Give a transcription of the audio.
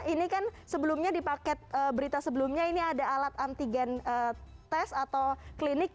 ini kan sebelumnya di paket berita sebelumnya ini ada alat antigen tes atau klinik